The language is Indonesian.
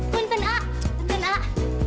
punten ah punten ah